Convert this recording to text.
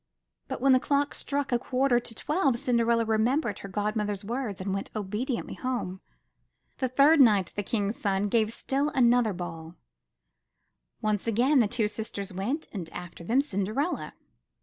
But when the clock struck a quarter to twelve Cinderella remembered her godmother's words and went obediently home. The third night the King's son gave still another ball; once again the two sisters went and after them, Cinderella.